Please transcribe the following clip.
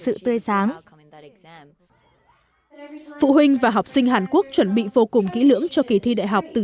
sự tươi sáng phụ huynh và học sinh hàn quốc chuẩn bị vô cùng kỹ lưỡng cho kỳ thi đại học từ